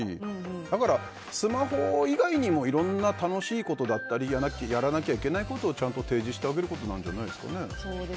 だから、スマホ以外にもいろんな楽しいことだったりやらなきゃいけないことをちゃんと提示してあげることなんじゃないですかね。